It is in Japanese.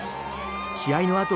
試合のあと